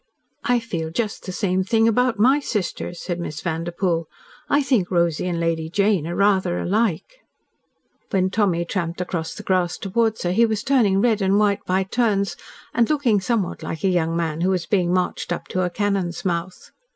"I feel just the same thing about my sister," said Miss Vanderpoel. "I think Rosy and Lady Jane are rather alike." ..... When Tommy tramped across the grass towards her he was turning red and white by turns, and looking somewhat like a young man who was being marched up to a cannon's mouth.